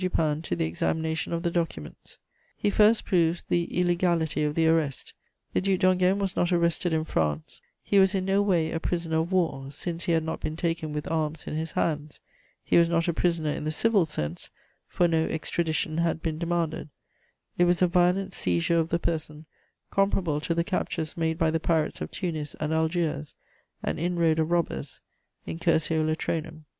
Dupin to the examination of the documents. He first proves the illegality of the arrest: the Duc d'Enghien was not arrested in France; he was in no way a prisoner of war, since he had not been taken with arms in his hands; he was not a prisoner in the civil sense, for no extradition had been demanded; it was a violent seizure of the person, comparable to the captures made by the pirates of Tunis and Algiers, an inroad of robbers, _incursio latronum.